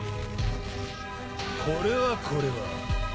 これはこれは。